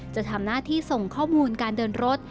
จะทำหน้าที่ส่งข้อมูลการเดินรถ